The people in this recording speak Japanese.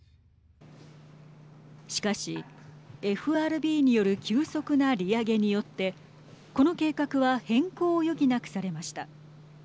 しかし、ＦＲＢによる急速な利上げによってこの計画は変更を余儀なくされました。